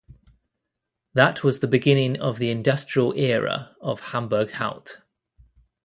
That was the beginning of the industrial era of Hamburg-Haut.